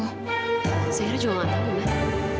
oh zahira juga ada pak mas